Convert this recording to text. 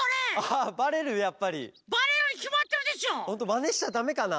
まねしちゃだめかな？